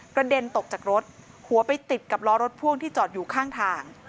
กระเด็นตกจากรถหัวไปติดกับล้อรถพ่วงที่จอดอยู่ข้างทาง